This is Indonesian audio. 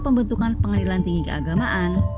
pembentukan pengadilan tinggi keagamaan